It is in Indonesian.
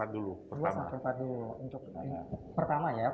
dua empat dulu untuk pertama ya